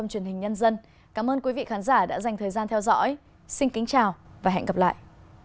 xin chào và hẹn gặp lại